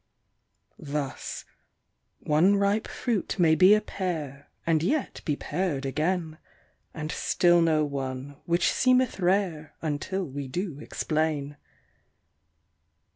Thus, one ripe fruit may be a pear, and yet be pared again, And still no one, which seemeth rare until we do explain.